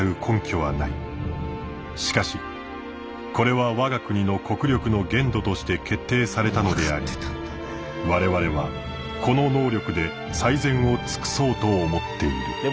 しかしこれは我が国の国力の限度として決定されたのであり我々はこの能力で最善を尽そうと思っている」。